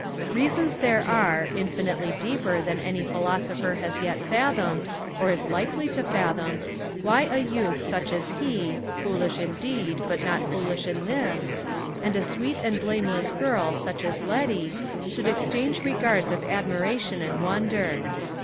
Reasons there are, infinitely deeper than any philosopher has yet fathomed, or is likely to fathom, why a youth such as he foolish, indeed, but not foolish in this and a sweet and blameless girl such as Letty, should exchange regards of admiration and wonder.